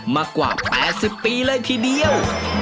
มากว่า๘๐ปีเลยทีเดียว